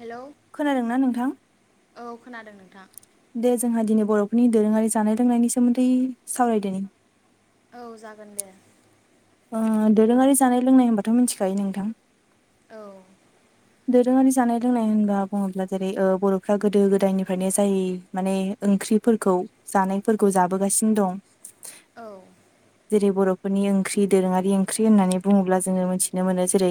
Hello खोनादोंना नोंथां औ खोनादों नोंथां दे जोंहा दिनै बरफोरनि दोरोङारि जानाय लोंनायनि सोमोन्दै सावरायदोनि औ जागोन दे ओ - दोरोङारि जानाय लोंनाय होनबाथ मिथिखायो नोंथां औ दोरोङारि जानाय लोंनाय होनबा बुङोब्ला जेरै ओ- बरफ्रा गोदो गोदायनिफ्रायनो जाय माने ओंख्रिफोरखौ जानायफोरखौ जाबोगासिनो दं औ जै बरफोरनि ओं ख्रि दोरोङारि ओंख्रि होननानै बुङोब्ला जोङो मोनथिनो मोनो जेरै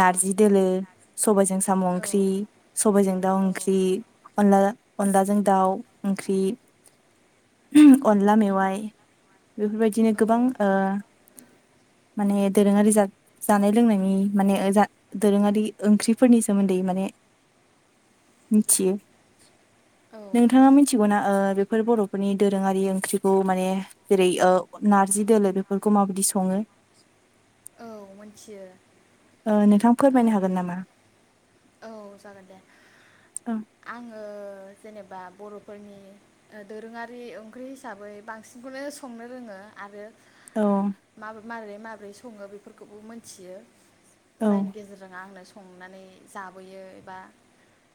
नारजि दोलो स सबायजों साम औ ओंख्रि सबायजों दाउ ओंख्रि अनदला अनलाजों दाउ ओंख्रि अनला औ मेवाइ बेफोरबायदिनो गोबां ओ माने दोरोङारि जान -जानाय - लोंनायनि माने जा-ओ - दोरोङारि ओंख्रिफोरनि सोमोन्दै माने मिन्थियो औ नोंथाङा मिथिगौ ना-ओ बेफोर बरफोरनि दोरोङारि ओंख्रिखौ माने जेरै ओ नारजि दोलो बेफोरखौ माबादि स सङो औ मोनथियो ओ नोंथां फोरमायनो ओम हागोन नामा? - औ जागोन दे औ आङो जेनेबा बर' फोरनि ओ - दोरोङारि ओंख्रि हिसाबै बांसिनखौनो संनो रोङो आरो औ माब्रै माब्रै स सङो बेफोरखौबो मोनथियो औ जायनि गेजेरजों आंनो स संनानै जाबोयो एबा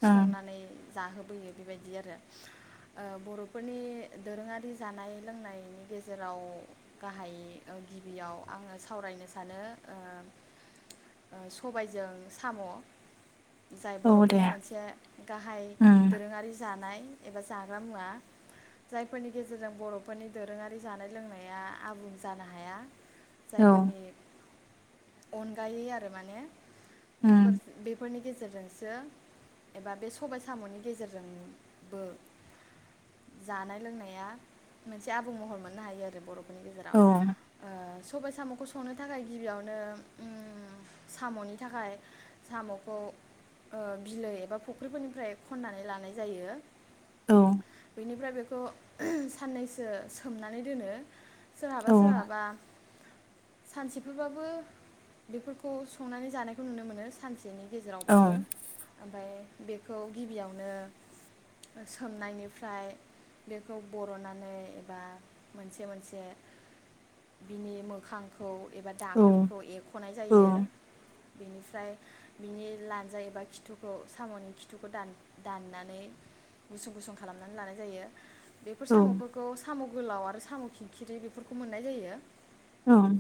ओं संनानै जाहोबोयो बेबायदि आरो ओ - बर'फोरनि दोरोङारि जानाय लोंनायनि गेजेराव गाहाय ओ - गिबियाव आङो स सावरायनो सानो ओ ओ सबायजों साम जाय औ दे बर'फोरनि मोनसे गाहाय उम दोरोङारि जानाय एबा जाग्रा मुवा जायफोरनि गेजेरजों बरफोरनि दोरोङारि जानाय लोंनाया आबुं जानो हाया औ जायफोरनि अनगायै आरो माने उम बेफोरस बेफोरनि गेजे गेजेरजोंसो एबा बे सबाय सामनि गेजेरजोंबो जानाय लोंनाया मोनसे आबुं महर मोननो हायो आरो बर' बेफोरनि गेजेराव औ ओ सबाय सामखौ संनो थाखाय गिबियावनो ओम - सामनि थाखाय सामखौ ओ - बिलो एबा फुख्रिफोरनिफ्राय खन्नानै लानाय जायो औ बेनिफ्राय बेखौ साननैसो सोमनानै दोनो सोरहाबा औ सोरहाबा सानसेफोरबाबो बेफोरखौ संनानै जानायखौ नुनो मोनो सानसे बेनि औ गेजेरावबाबो ओमफाय बेखौ गिबियावनो सोमनायनिफ्राय बेखौ बरनानै एबा मोनसे मोनसे बिनि मोखांखौ एबा औ दाखोनखौ एखनाय जायो बेनिफ्राय बिनि लानजाइ एबा खिथुखौ सामनि खिथुखौ दान-दाननानै गुसुं गुसुं खालामनानै लानाय जायो बेफोर औ सामफोरखौ साम गोलाव आरो साम खिंखिरि बेफोरखौ मोननाय जायो ओम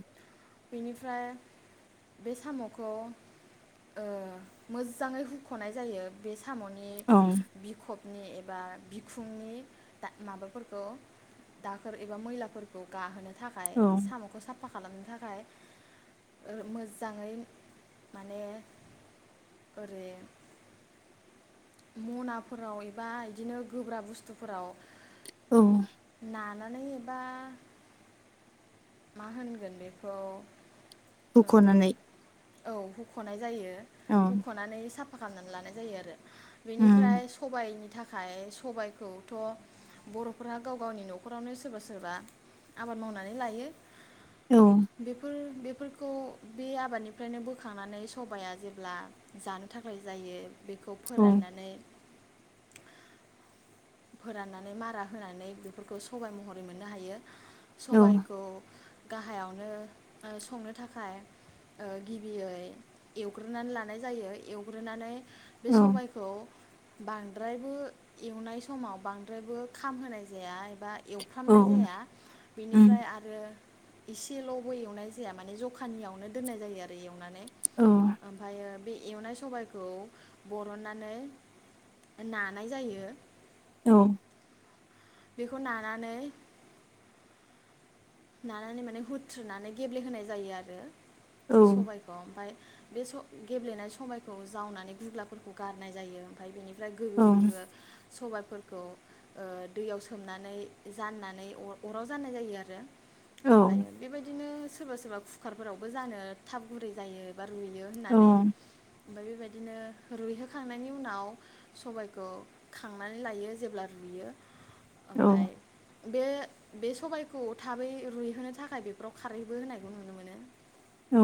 बेनिफ्राय बे सामखौ ओ मोजाङै हुखनाय जायो बे सामनि औ बिखब नि एबा बिखुंनि दा माबाफोरखौ दाखोर एबा मैलाफोरखौ गाहोनो थाखाय औ सामखौ साफ फा खालामनो थाखाय ओ मोजाङै माने ओरै मनाफोराव एबा इदिनो गोब्रा बुस्थुफोराव औ नानै एबा मा होनगोन बेखौ ओ हुखनानै औ हुखनाय जायो औ हुखनानै साफ फा खामनानै लानाय जायो आरो उम बेनिफ्राय सबाइनि थाख खाय सबायखौथ बरफोरा गाव गावनि नखरावनो सोरबा सोरबा आबाद मावनानै लायो औ बेफोर बे फोरखौ बे आबादनिफ्रायनो बोखांनानै सबाइया जेब्ला जानो थाखाय जायो बेखौ औ फोराननानै फोराननानै मारा होनानै बेफोरखौ सबाय महरै मोननो हायो औ सबायखौ गाहायावनो ओ संनो थाखाय ओ गिबियै एवग्रोनानै लानाय जायो एवग्रोनानै बे औ सबायखौ बांद्रायबो एवनाय समाव बांद्रायबो खामहोनाय जाया बा औ एवफ्रामनाय जाया उम बेनिफ्राय आरो एसेलबो एवनाय जाया माने जखानियावनो दोननाय जायो आरो एयाव एवनानै औ ओमफायो बे एवनाय सबायखौ बरननानै नानाय जायो औ बेखौ नानानै नानानै माने हुथ्रोननानै गेब्लेहोनाय जायो आरो औ सबाइखौ ओमफाय बे स गेब्लेनाय सबायखौ जावनानै गुग्लाफोरखौ गारनाय जायो ओमफ्राय बेनि ओमफ्राय औ गोगो गोगो सबायफोरखौ ओ दैयाव सोमनानै जाननानै अराव जाननाय जायो आरो औ ओमफाय बेबायदिनो सोरबा सोरबा कुकारफोरावबो जानो थाब गुरै जायो बा रुइयो औ होननानै ओमफफ्राय बेबायदिनो रुयहोखांनायनि उनाव सबाइखौ खांनानै लायो जेब्ला रुइयो ओमफाय बे बे सबायखौ थाबै रुइहोनो थाखाय बेफोराव खारैबो होनायखौ नुनो मोनो औ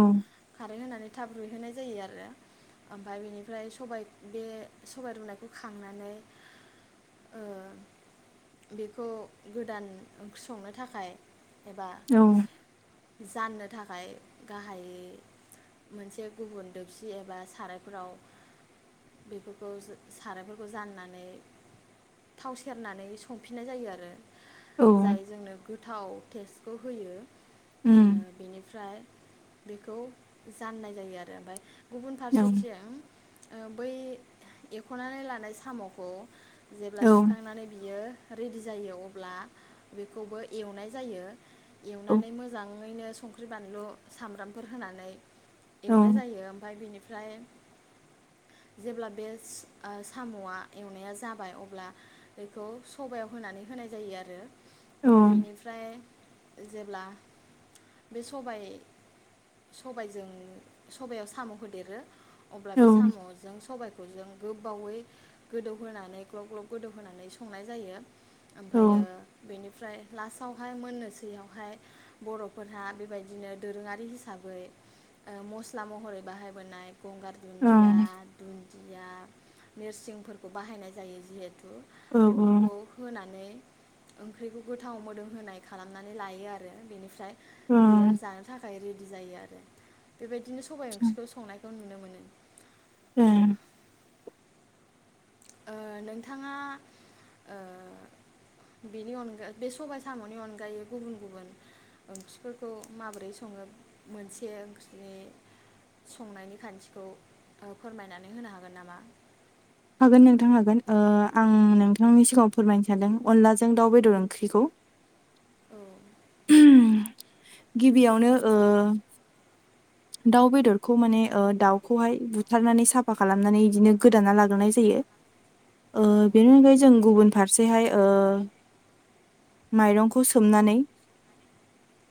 खारै होनानै थाब रुइहोनाय जायो आरो ओमफ्राय बेनिफ्राय सबाय बे सबाय रुनायखौ खांनानै ओ बेखौ गोदान ओंख्रि संनो थाखाय एबा जाननो थाखाय गाहायै मोनसे गुबुन दोबसि एबा सारायफोराव बेफोरखौ सारायफोरखौ जाननानै थाव सेरनानै संफिननाय जायो आरो औ जाय जोंनो गोथाव टेस्टखौ होयो ओ बेनिफ्राय बेखौ जाननाय जायो आरो ओमफाय गुबुन फारसेथिं ओ बै एखनानै लानाय सामखौ जेब्ला औ सुखांनानै बियो रेदि जायो अब्ला बेखौबो एवनाय जायो औ एवनानै मोजाङैनो संख संख्रि बानलु सामब्रामफोर होनानै एवनाय औ जायो ओमफाय बेनि ओमफ्राय जेब्ला बे ओ सामआ एवनाया जाबाय अब्ला बेखौ सबाइयाव होनानै होनाय जायो आरो आमफाय ओं बेनिफ्राय जेब्ला बे सबाइ सबाइजों सबाइयाव साम होदेरो अब्ला बे औ सामजों सबायखौ जों गोबावै गोदौहोनानै ग्लब ग्लब गोदौहोनानै संनाय जायो ओमफायो औ बेनिफ्राय लास [unintelligible] हाय मोननोसैयावहाय बरफोरहा बेबायदिनो दोरोङारि हिसाबै ओ मस्ला महरै बाहायबोनाय गंगार दुन्दिया दुन्दिया निरसिंफोरखौ बाहायनाय जायो जिहे तु बेफोरखौ होनानै ओंख्रिखौ गोथाव मोदोम होनाय खालामनानै लायो आरो बेनिफ्राय बियो ओं जानो थाखाय थाखाय रेडि जायो आरो बेबायदिनो सबाय ओंख्रिखौ संनायखौ खौ नुनो मोनो ए ओ नोंथाङा ओ बेनि अनगा बे सबाय सामनि अनगायै गुबुन गुबुन ओंख्रिफोरखौ माबोरै सङो मोनसे ओंख्रिनि संनायनि खान्थिखौ ओ फोरमायनानै होनो हागोन नामा हागोन नोंथां हागोन ओ आं नोंथांनि सिगाङाव फोरमायनो सानदों अनलाजों दाउ बेदर ओंख्रिखौ औ गिबियावनो ओ दाउ बेदरखौ माने ओ दाउखौहाय बुथारनानै साफा खालामनानै इदिनो गोदाना लाग्रोनाय जायो ओ बेनि औ अनगायै जों गुबुन फारसेहाय ओ माइरंखौ सोमनानै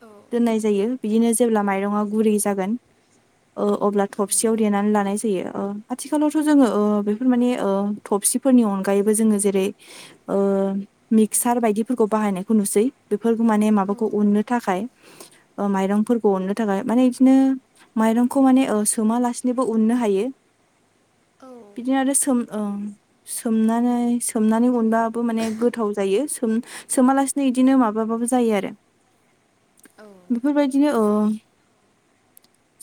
औ दोननाय जायो बिदिनो जेब्ला माइरंआ गुरु जायो जागोन ओ अब्ला औ थबसिआव देनानै लानाय जायो ओ आथिखालावथ जों ओ बेफोरमाने ओ थबसिफोरनि अनगायैबो जोङो जेरै ओ मिक्सर बायदिफोरखौ बाहायनायखौ नुसै बेफोर माने औ माबाखौ उननो थाखाय ओ माइरंफोरखौ उननो थाखाय माने [unintelligible] माइरंखौ माने ओ सोमालासिनोबो उननो हायो औ बिदिनो आरो सोम ओं सोमनानै सोमनानै उनबा [unintelligible] माने गोथाव जायो ओम सोमालासिनो इदिनो माबाबाबो जायो आरो बेफोरबायदिनो औ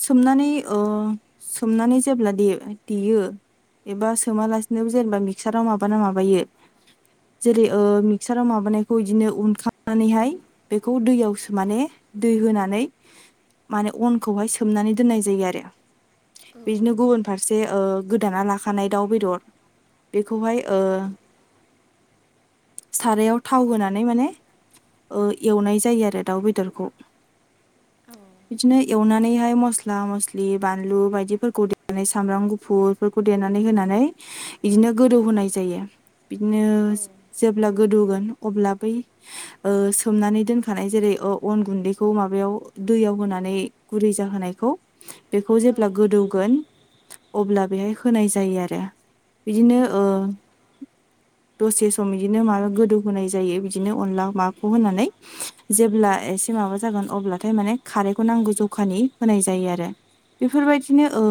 सोमनानै ओ सोमनानै जेब्ला देयो एबा सोमालासिनो जेनेबा मिक्साराव माबाना माबायो जेरै ओ मिक्साराव माबानाय बेखौ इदिनो उनखांनानैहाय बेखौ दैयावसो माने दै होनानै माने अनखौहाय सोमनानै दोननाय जायो आरो बिदिनो गुबुन फारसे ओ गोदाना लाखानाय दाउ बेदर बे बेखौहाय ओ सारायाव थाव होनानै माने ओ एवनाय जायो आरो दाउ बेदरखौ औ बिदिनो एवनानैहाय मस्ला मस्लि बानलु बायदिफोरखौ देनानै सामब्राम गुफुरफोरखौ देनानै होनानै बिदिनो गोदौ होनाय जायो बिदिनो औ जेब्ला गोदौगोन अब्ला बै ओ सोमनानै दोनखानाय जेरै ओ अन गुन्दैखौ माबायाव दैयाव होना नै गुरै जाहोनायखौ बेखौ औ जेब्ला गोदौगोन अब्ला बेहाय होनाय जायो आरो बिदिनो औ ओ दसे सम बिदिनो माबा गोदौ होनाय जायो बिदिनो अनला माबाखौ होनानै जेब्ला एसे माबा जागोन अब्लाथाय माने खारै खौ नांगौ जखानि होनाय जायो आरो बेफोरबायदिनो ओ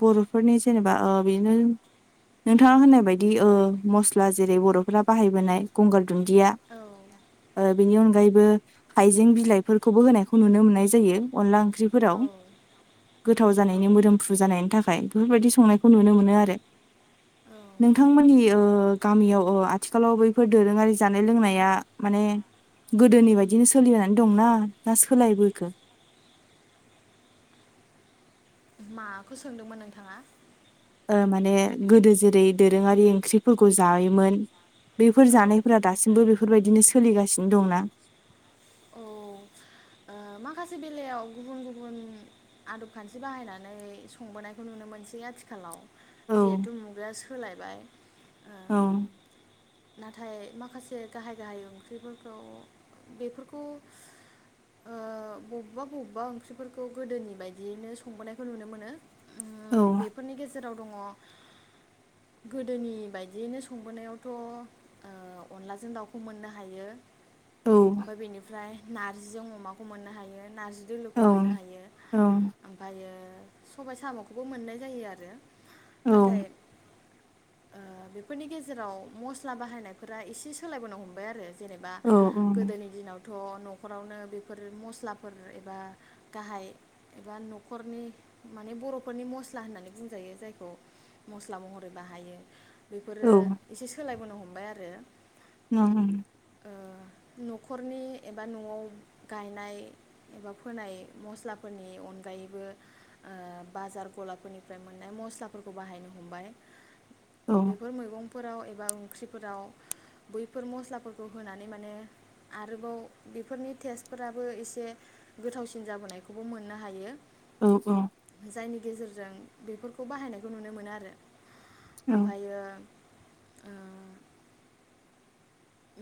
बर फोरनि जेनेबा ओ बिदिनो नोंथाङा होननाय बायदि ओ मस्ला जेरै बरफोरा बाहायबोनाय गंगार दुन्दिया ओ बेनि अनगायैबो हाइजें बिलाइफोरखौबो होनायखौ नुनो मोननाय जायो अनला ओंख्रि औ ओंख्रिफोराव गोथाव जानायनि मोदोमफ्रु जानायनि थाखाय बेफोरबायदि संनायखौ नुनो मोनो आरो औ नोंथांमोननि ओ गामियाव ओ आथिखालाव बैफोर दोरोङारि जानाय लोंनाया माने गोदोनि बायदिनो सोलिनानै दंना ना सोलायबोखो माखौ सोंदोंमोन नोंथाङा ओ माने गोदो जेरै दोरोङारि ओंख्रिफोरखौ जायोमोन बेफोर औ जानायफोरा दासिमबो बेफ बेफोरबायदिनो सोलिगासिनो दंना औ ओ माखासे बेलायाव गुबुन गुबुन आदबखान्थि बाहायनानै संबोनायखौ नुनो मोनसै आथिखालाव औ जिहेथु मुगाया सोलायबाय ओम औ नाथाय माखासे गाहाय गाहाय ओंख्रिफोरखौ बेफोरखौ ओ बबेबा बबेबा ओंख्रिफोरखौ गोदोनि बायदियैनो संबोनायखौ नुनो मोनो उम औ बेफोरनि गेजेराव दङ गोदोनि बायदियैनो संबोनायावथ ओ अनलाजों दाउखौ मोननो हायो औ ओमफ्राय बेनिफ्राय नारजिजों अमाखौ खौ मोननो हायो नारजि दोलोखौ औ मोननो हायो औ ओमफ्रायो सबाय सामखौबो मोननाय जायो आरो औ नाथाय ओ बेफोरनि गेजेराव मस्ला बाहायनायफोरा एसे सोलायबोनो हमबाय आरो जेनेबा औ गोदोनि दिनाव थ नखरावनो बे फोर मस्लाफोर एबा गाहाय एबा नखरनि माने बरफोरनि मस्ला होननानै बुंजायो जायखौ मस्ला महरै बाहायो औ बेफोरो एसे सोलायबोनो हमबाय आरो [unintelligible] ओ नखरनि एबा नआव गायनाय एबा फोनाय मस्लाफोरनि अनगायैबो ओ बाजार गलाफोरनिफ्राय मोननाय मस्लाफोरखौ बाहायनो हमबाय बेफोर मैगं फोराव एबा ओंख्रिफोराव बैफोर मस्लाफोरखौ होनानै माने आरोबाव बेफोरनि टेस्ट फोराबो एसे गोथावसिन जाबोनायखौबो मोननो हायो जायनि गेजेरजों बेफोरखौ बाहायनायखौ नुनो मोनो आरो आमफायो ओ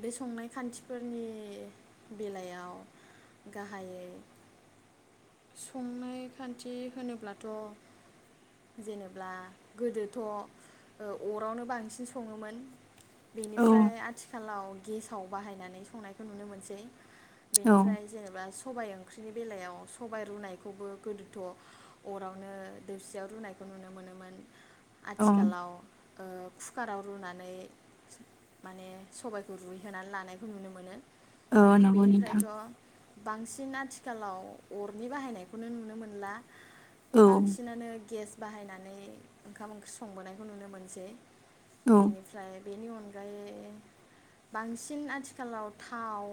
बे संनाय खान्थिफोरनि बेलायाव गाहायै संनाय खान्थि होनोब्लाथ जेनेब्ला गोदोथ अरावनो बांसिन सङोमोन बेनिफ्राय आथि [unintelligible] गेसाव बाहायनानै संनायखौ नुनो मोनसै औ बेनिफ्राय जेनेबा स सबाइ ओंख्रिनि बेलायाव स सबायाइ रुनायखौबो गोदोथ अरावनो दोबसियाव रुनायखौ नुनो मोनोमोन औ आथिखालाव ओ कुकाराव रुनानै माने सबायखौ रुइहोनानै लानायखौ नुनो मोनो औ नंगौ नोंथां बेनिफ्रायथ' बांसिन आथिखालाव अरनि बाहायनायखौनो नुनो मोनला औ बांसिनानो गेस बाहायनाय नै ओंखाम ओंख्रि संबोनायखौ नुनो मोनसै औ बेनिफ्राय बेनि अनगायै बांसिन आथिखालाव थाव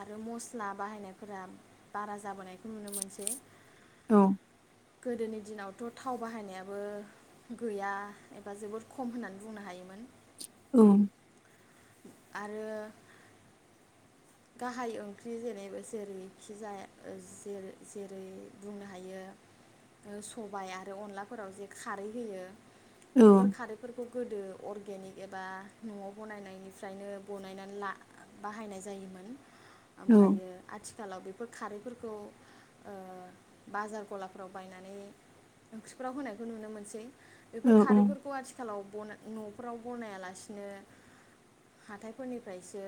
आरो मस्ला बाहायनायफोरा बारा जाबोनाय नुनो मोनसै औ गोदोनि दिनाव थाव बाहायनायाबो गैया एबा जोबोद खम होननानै बुंनो हायोमोन औ आरो गाहाय ओंख्रि जेरै जेरैखि जाया जेरै बुंनो हायो सबाय आरो अनलाफोराव जे खारै होयो बेफोर औ खारैफोरखौ गोदो अर्गेनिक एबा नआव बनायनायनिफ्रायनो बनायनानै ला बाहायनाय जायोमोन औ ओमफायो आथिखालाव बेफोर खारैफोरखौ खौ ओ बाजार गलाफ्राव बायनानै ओंख्रिफ्राव होनायखौ नुनो मोनसै बेफोर औ औ खारैफोरखौ आथिखालाव बनो नफोराव बनायालासिनो हाथायफोरनिफ्रायसो